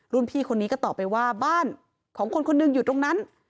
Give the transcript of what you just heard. พี่คนนี้ก็ตอบไปว่าบ้านของคนคนหนึ่งอยู่ตรงนั้น